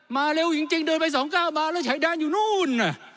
มาเร็วจริงเดินไป๒ก้าวมาแล้วฉายด้านอยู่นู้น